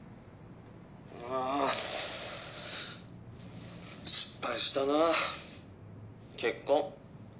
ああ、失敗したな、結婚。